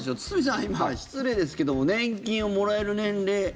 堤さんは今、失礼ですけども年金をもらえる年齢？